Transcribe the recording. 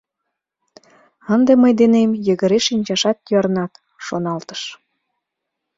«Ынде мый денем йыгыре шинчашат йырнат», шоналтыш.